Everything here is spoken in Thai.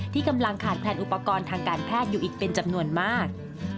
ที่กำลังขาดแคลนอุปกรณ์ทางการแพทย์อยู่อีกเป็นจำนวนมาก